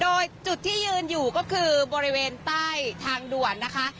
โดยจุดที่ยืนอยู่ก็คือบริเวณใต้ทางด่วนนะคะ